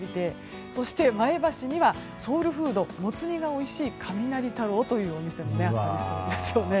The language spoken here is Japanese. そして、前橋にはソウルフードのもつ煮がおいしい雷太郎というお店もあるそうです。